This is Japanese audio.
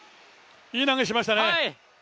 いい投げしましたね。